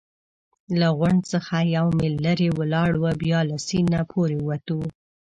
له غونډ څخه یو میل لرې ولاړو، بیا له سیند نه پورې ووتو.